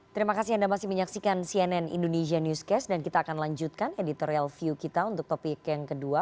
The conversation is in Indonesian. terima kasih anda masih menyaksikan cnn indonesia newscast dan kita akan lanjutkan editorial view kita untuk topik yang kedua